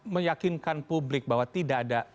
meyakinkan publik bahwa tidak ada